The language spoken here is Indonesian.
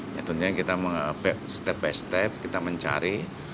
yaitunya kita step by step kita mencari